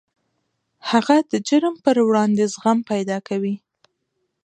هغه د جرم پر وړاندې زغم پیدا کوي